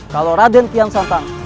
kalau raden kian santan